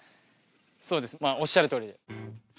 そうですおっしゃるとおり。